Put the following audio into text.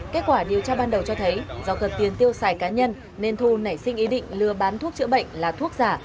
kết quả điều tra ban đầu cho thấy do cần tiền tiêu xài cá nhân nên thu nảy sinh ý định lừa bán thuốc chữa bệnh là thuốc giả